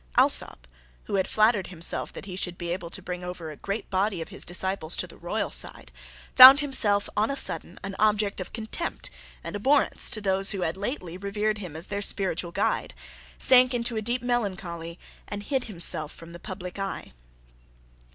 Alsop, who had flattered himself that he should be able to bring over a great body of his disciples to the royal side, found himself on a sudden an object of contempt and abhorrence to those who had lately revered him as their spiritual guide, sank into a deep melancholy, and hid himself from the public eye.